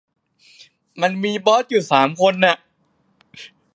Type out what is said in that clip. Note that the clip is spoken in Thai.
มันมีบอสอยู่สามคนอะ